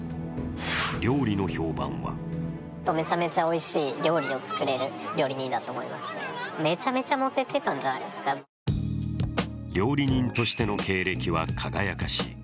料理の評判は料理人としての経歴は輝かしい。